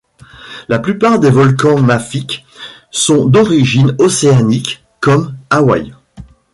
La plupart des volcans mafiques sont d'origine océanique, comme Hawaii.